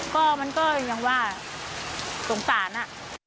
ก็มันก็ยังว่าสงสารน่ะ